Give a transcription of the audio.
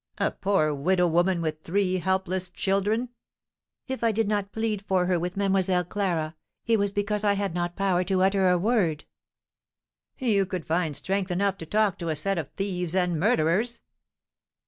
"A poor widow woman, with three helpless children!" "If I did not plead for her with Mlle. Clara, it was because I had not power to utter a word." "You could find strength enough to talk to a set of thieves and murderers!"